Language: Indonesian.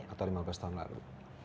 atau lima belas tahun lalu